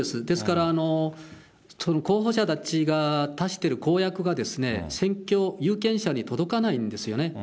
ですから候補者たちが出してる公約が選挙、有権者に届かないんですよね。